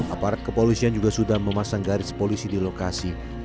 aparat kepolisian juga sudah memasang garis polisi di lokasi